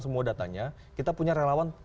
semua datanya kita punya relawan